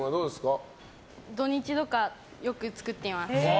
土日とかよく使っています。